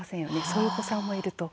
そういうお子さんもいると。